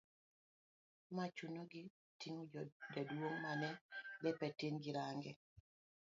ma chune gi ting'o jaduong' mane lepe tin gi range